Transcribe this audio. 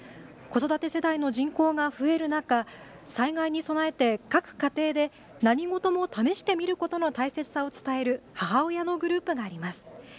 子育て世代の人口が増える中、災害に備えて各家庭で何事も試してみることの大切さを伝える母親のグループがあります。